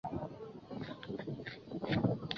与邻近地区的奥兰多海盗为世仇。